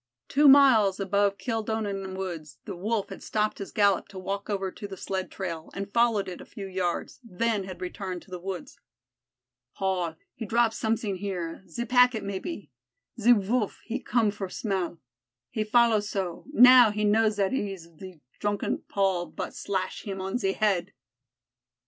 Two miles above Kildonan woods the Wolf had stopped his gallop to walk over to the sled trail, had followed it a few yards, then had returned to the woods. "Paul he drop somesin' here, ze packet maybe; ze Voolf he come for smell. He follow so now he know zat eez ze drunken Paul vot slash heem on ze head."